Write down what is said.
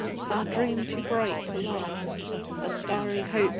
Ah, dream too bright to last! Ah, starry Hope!